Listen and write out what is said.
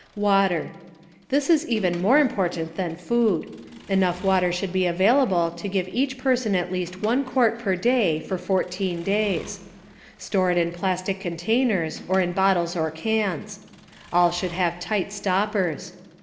WATER. This is even more important than food. Enough water should be available to give each person at least one quart per day for 14 days. Store it in plastic containers, or in bottles or cans. All should have tight stoppers.